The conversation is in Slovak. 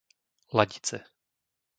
Ladice